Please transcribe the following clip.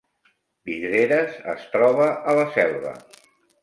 Vidreres es troba a la Selva